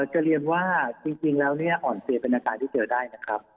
จะเรียนว่าจริงแล้วเนี่ยอ่อนเสียเป็นอาการที่เจอได้นะครับ